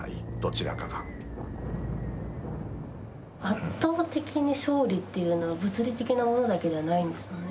圧倒的に勝利というのは物理的なものだけではないんですもんね。